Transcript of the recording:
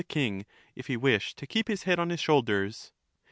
the king, if he wished to keep his head on his shoulders.